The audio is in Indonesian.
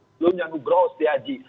sebelumnya nugroho setiaji